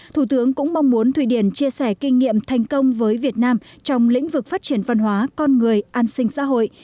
thủ tướng cũng mong muốn thụy điển chia sẻ kinh nghiệm thành công với việt nam trong lĩnh vực phát triển văn hóa con người an sinh xã hội